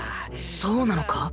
そうなのか？